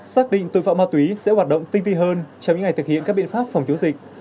xác định tội phạm ma túy sẽ hoạt động tinh vi hơn trong những ngày thực hiện các biện pháp phòng chống dịch